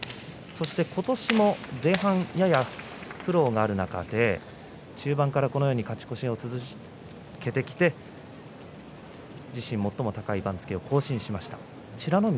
そして今年も前半やや苦労がある中で中盤から勝ち越しを続けてきて自身も最も高い番付を更新しました。